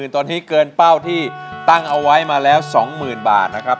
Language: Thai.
ตอนนี้เกินเป้าที่ตั้งเอาไว้มาแล้ว๒๐๐๐บาทนะครับ